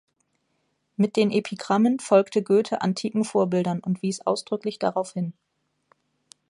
Mit den Epigrammen folgte Goethe antiken Vorbildern und wies ausdrücklich darauf hin.